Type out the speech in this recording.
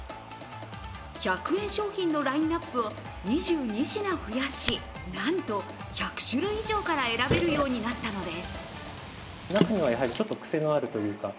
１００円商品のラインナップを２２品増やしなんと１００種類以上から選べるようになったのです。